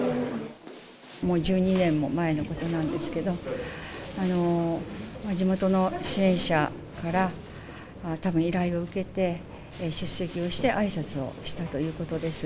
もう１２年も前のことなんですけど、地元の支援者から、たぶん、依頼を受けて出席をしてあいさつをしたということです。